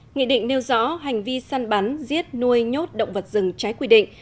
nghị định nêu rõ hành vi săn bắn giết nuôi nhốt động vật rừng trái quy định